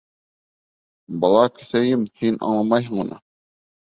Бала көҫәйем, һин аңламайһың уны.